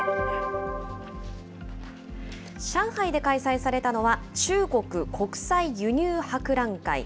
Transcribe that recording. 上海で開催されたのは、中国国際輸入博覧会。